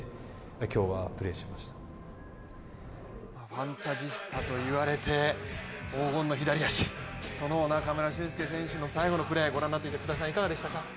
ファンタジスタといわれて黄金の左足その中村俊輔選手の最後のプレーご覧になっていていかがでしたか。